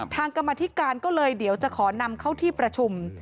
กรรมธิการก็เลยเดี๋ยวจะขอนำเข้าที่ประชุม